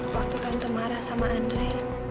waktu tante marah sama andre